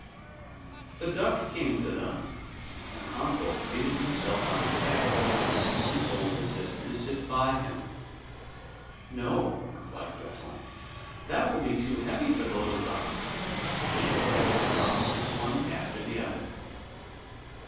The duck came to them, and Hansel seated himself on its back, and told his sister to sit by him. 'No,' replied Gretel, 'that will be too heavy for the little duck; she shall take us across, one after the other.